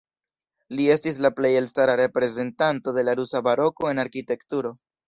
Li estas la plej elstara reprezentanto de la rusa baroko en arkitekturo.